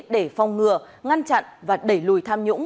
để phong ngừa ngăn chặn và đẩy lùi tham nhũng